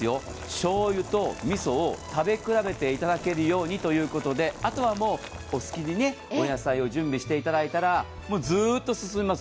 しょうゆとみそを食べ比べていただけるようにということであとはお好きにお野菜を準備していただいたらずっと進みます。